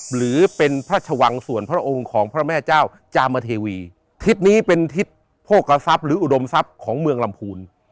หรือเป็นพระชวังส่วนพระองค์ของพระแม่เจ้าจามเทวีทิศนี้เป็นทิศโภคทรัพย์หรืออุดมทรัพย์ของเมืองลำพูน